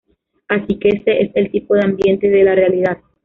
Así que ese es el tipo de ambiente de la realidad".